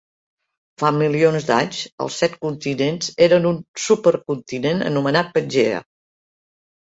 Fa milions d'anys, els set continents eren un supercontinent anomenat Pangea.